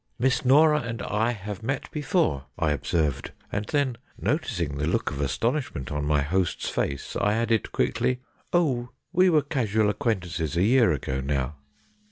' Miss Norah and I have met before,' I observed, and then, noticing the look of astonishment on my host's face, I added quickly, ' Oh, we were casual acquaintances a year ago now.'